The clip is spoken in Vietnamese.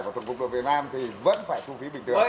của tổng cục đội việt nam thì vẫn phải thu phí bình thường